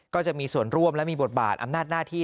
ก็จะมีส่วนร่วมและมีบทบาทอำนาจหน้าที่